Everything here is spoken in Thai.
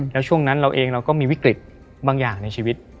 แล้วช่วงนั้นเราเองเราก็มีวิกฤตบางอย่างในชีวิต